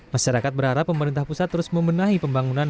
masyarakat berharap pemerintah pusat terus membenahi pembangunan